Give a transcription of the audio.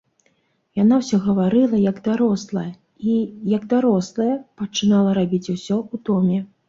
Яна ўсё гаварыла, як дарослая, і, як дарослая, пачынала рабіць усё ў доме.